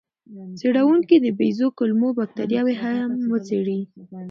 څېړونکو د بیزو کولمو بکتریاوې هم وڅېړې.